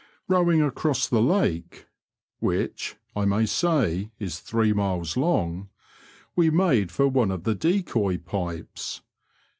Bowing across the lake (which, I may say, is three miles long), we made for one of the decoy pipes.